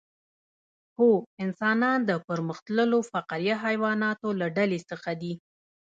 هو انسانان د پرمختللو فقاریه حیواناتو له ډلې څخه دي